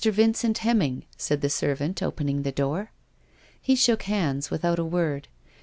Vincent Hemming," said Sarah, opening the door. He shook hands, without a word.